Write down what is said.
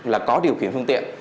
là có điều khiển phương tiện